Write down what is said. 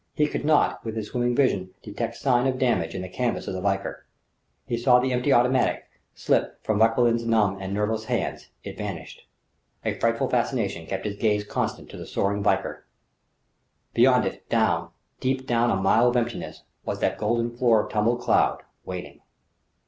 He could not, with his swimming vision, detect sign of damage in the canvas of the Valkyr. He saw the empty automatic slip from Vauquelin'p numb and nerveless fingers. It vanished.... A frightful fascination kept his gaze constant to the soaring Valkyr. Beyond it, down, deep down a mile of emptiness, was that golden floor of tumbled cloud, waiting